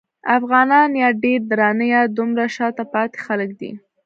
افغانان یا ډېر درانه یا دومره شاته پاتې خلک دي.